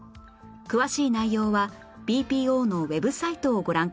詳しい内容は ＢＰＯ のウェブサイトをご覧ください